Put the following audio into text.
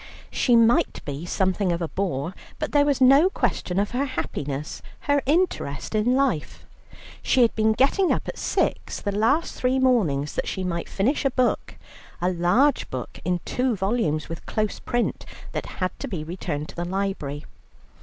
She might be something of a bore, but there was no question of her happiness, her interest in life. She had been getting up at six the last three mornings that she might finish a book, a large book in two volumes with close print, that had to be returned to the library.